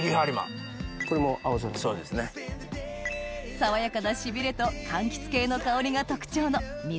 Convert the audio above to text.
爽やかなしびれとかんきつ系の香りが特徴の実